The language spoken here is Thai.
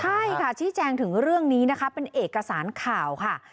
ใช่ค่ะชี้แจงถึงเรื่องนี้นะคะเป็นเอกสารข่าวค่ะ